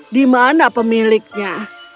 di mana pemiliknya